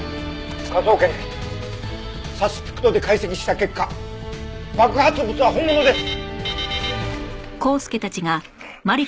「科捜研」サスピクトで解析した結果爆発物は本物です！